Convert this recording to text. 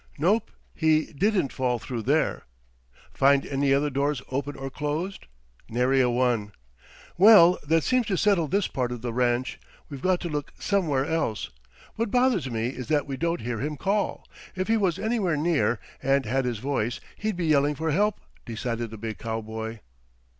"Nope. He didn't fall through there." "Find any other doors open or closed?" "Nary a one." "Well, that seems to settle this part of the ranch; we've got to look somewhere else. What bothers me is that we don't hear him call. If he was anywhere near, and had his voice, he'd be yelling for help," decided the big cowboy.